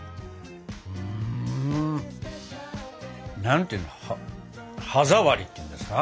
何ていうの歯触りっていうんですか？